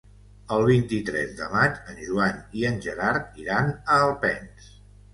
El vint-i-tres de maig en Joan i en Gerard iran a Alpens.